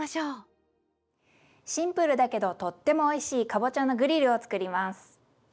シンプルだけどとってもおいしいかぼちゃのグリルを作ります。